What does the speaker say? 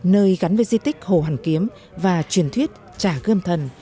nơi gắn với di tích hồ hoàn kiếm và truyền thuyết chả gươm thần